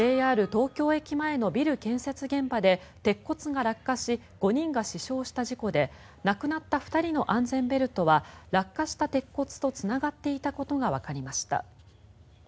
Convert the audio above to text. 東京駅前のビル建設現場で鉄骨が落下し５人が死傷した事故で亡くなった２人の安全ベルトは落下した鉄骨とつながっていたことがわかりました。